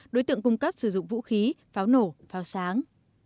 đối tượng cung cấp sử dụng vũ khí pháo nổ pháo sáng